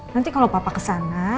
nanti kalau papa ke sana